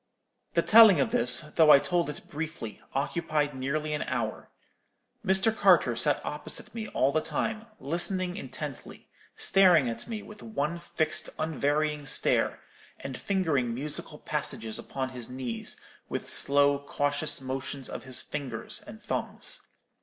"The telling of this, though I told it briefly, occupied nearly an hour. Mr. Carter sat opposite me all the time, listening intently; staring at me with one fixed unvarying stare, and fingering musical passages upon his knees, with slow cautious motions of his fingers and thumbs.